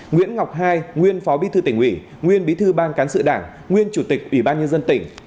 nguyễn ngọc hai nguyên phó bí thư tỉnh ủy nguyên bí thư ban cán sự đảng nguyên chủ tịch ủy ban nhân dân tỉnh